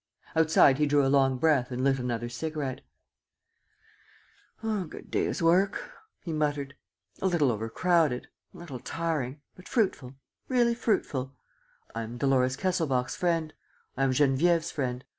Outside he drew a long breath and lit another cigarette: "A good day's work," he muttered. "A little over crowded, a little tiring, but fruitful, really fruitful. I am Dolores Kesselbach's friend. I am Geneviève's friend.